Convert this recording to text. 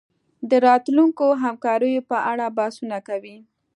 د راتلونکو همکاریو په اړه بحثونه کوي